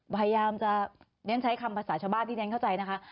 พยายามจะจะใช้คำภาษาชบาทที่ดินเข้าใจนะคะ